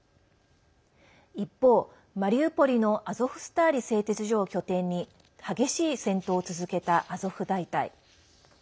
一方、マリウポリのアゾフスターリ製鉄所を拠点に激しい戦闘を続けたアゾフ大隊。